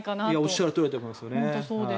おっしゃるとおりだと思いますね。